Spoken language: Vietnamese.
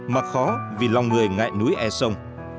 mà khó vì lòng người ngại núi e sông